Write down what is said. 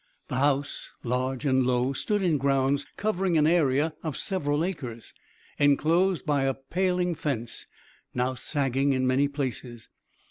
The house, large and low, stood in grounds covering an area of several acres, enclosed by a paling fence, now sagging in many places.